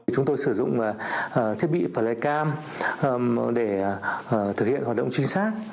chúng tôi sử dụng thiết bị phần lấy cam để thực hiện hoạt động trinh sát